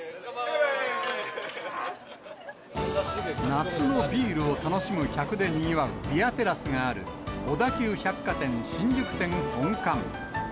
夏のビールを楽しむ客でにぎわうビアテラスがある小田急百貨店新宿店本館。